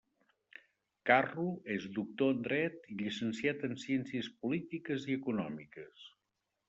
Carro és doctor en Dret i llicenciat en Ciències Polítiques i Econòmiques.